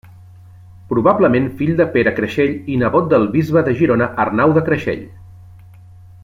Probablement fill de Pere Creixell i nebot del bisbe de Girona Arnau de Creixell.